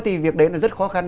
thì việc đấy là rất khó khăn